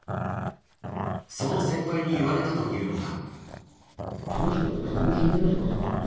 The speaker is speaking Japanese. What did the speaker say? その先輩に言われたというのが。